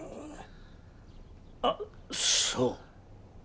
あっそう！